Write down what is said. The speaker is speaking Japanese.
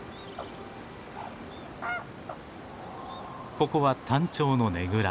ここはタンチョウのねぐら。